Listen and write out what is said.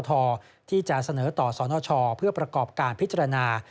ที่จะเสนอต่อสนชเพื่อประกอบการพิจารณา